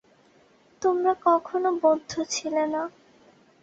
তোমরা কখনও বদ্ধ ছিলে না।